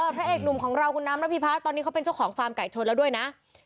พระเอกหนุ่มของเราคุณน้ำระผีพัดตอนนี้เค้าเป็นช่วยของความไกรชนแล้วด้วยนะ